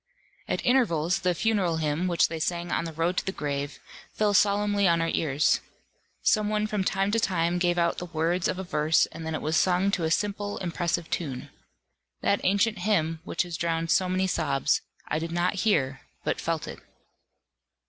At intervals, the funeral hymn, which they sing on the road to the grave, fell solemnly on our ears. Some one from time to time gave out the words of a verse and then it was sung to a simple impressive tune. That ancient hymn, which has drowned so many sobs, I did not hear, but felt it.